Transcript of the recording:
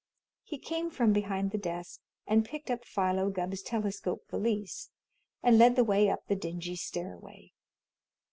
He came from behind the desk and picked up Philo Gubb's telescope valise and led the way up the dingy stairway.